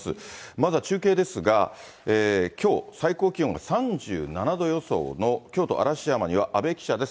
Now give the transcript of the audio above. まずは中継ですが、きょう、最高気温が３７度予想の京都・嵐山には、阿部記者です。